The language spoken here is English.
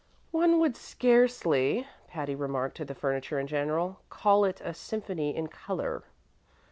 "One would scarcely," Patty remarked to the furniture in general, "call it a symphony in color."